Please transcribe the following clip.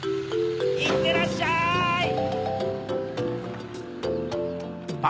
いってらっしゃい！